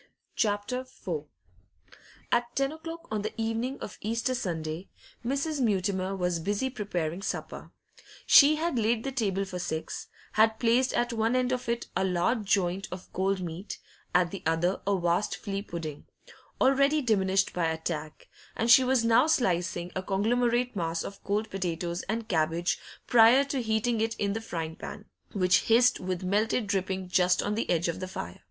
CHAPTER IV At ten o'clock on the evening of Easter Sunday, Mrs. Mutimer was busy preparing supper. She had laid the table for six, had placed at one end of it a large joint of cold meat, at the other a vast flee pudding, already diminished by attack, and she was now slicing a conglomerate mass of cold potatoes and cabbage prior to heating it in the frying pan, which hissed with melted dripping just on the edge of the fire.